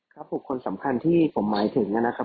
บุคคลสำคัญที่ผมหมายถึงนะครับ